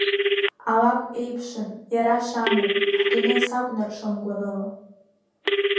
Алакә еиԥшын, иара шанан, ҳдунеи сакәнаршон гәаныла.